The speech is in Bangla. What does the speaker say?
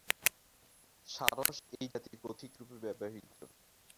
সারস এই জাতির প্রতীক রূপে ব্যবহৃত।